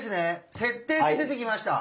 「設定」って出てきました。